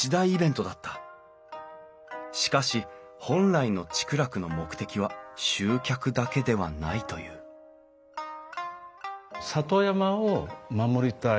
しかし本来の竹楽の目的は集客だけではないという里山を守りたい。